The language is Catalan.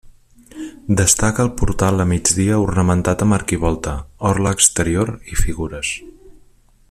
Destaca el portal a migdia ornamentat amb arquivolta, orla exterior i figures.